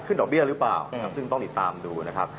ขั้นดอกเบี้ยรึเปล่า